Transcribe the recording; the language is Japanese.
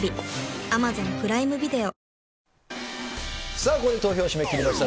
さあ、ここで投票を締め切りました。